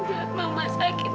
biar mama sakit